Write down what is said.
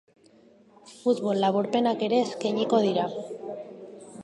Futbol laburpenak ere eskainiko dira.